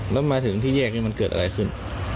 แล้วมาถึงที่แยกนี้มันเกิดอะไรขึ้น